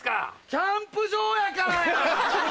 キャンプ場やからや！